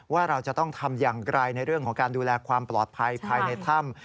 ว่าเราจะต้องทำอย่างไรในเรื่องของการดูแลความปลอดภัยภายในถ้ำ